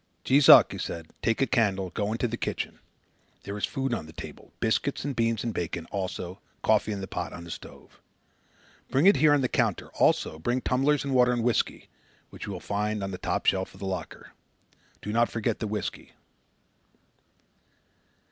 "Jees Uck," he said, "take a candle. Go into the kitchen. There is food on the table biscuits and beans and bacon; also, coffee in the pot on the stove. Bring it here on the counter. Also, bring tumblers and water and whisky, which you will find on the top shelf of the locker. Do not forget the whisky."